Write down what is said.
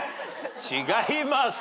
違います。